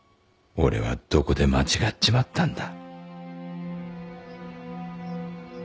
俺はどこで間違っちまったんだ」